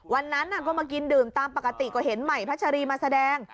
วันนั้นก็มากินดื่มตามปกติก็เห็นใหม่พัชรีมาแสดง